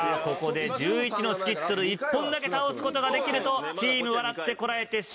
ここで１１のスキットル１本だけ倒すことができるとチーム「笑ってコラえて！」